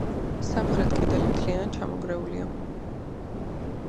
სამხრეთი კედელი მთლიანად ჩამონგრეულია.